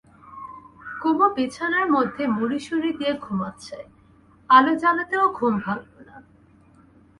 কুমু বিছানার মধ্যে মুড়িসুড়ি দিয়ে ঘুমোচ্ছে–আলো জ্বালাতেও ঘুম ভাঙল না।